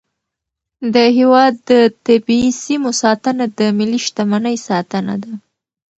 د هیواد د طبیعي سیمو ساتنه د ملي شتمنۍ ساتنه ده.